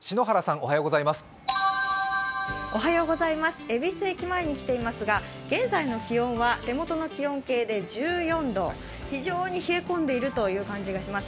おはようございます、恵比寿駅前に来ていますが、現在の気温は手元の気温計で１４度、非常に冷え込んでいるという感じがします。